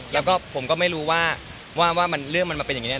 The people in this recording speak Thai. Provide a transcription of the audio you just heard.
แล้วก็ผมก็ไม่รู้ว่าเรื่องมันมาเป็นอย่างนี้